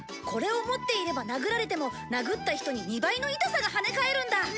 これを持っていれば殴られても殴った人に２倍の痛さがはね返るんだ！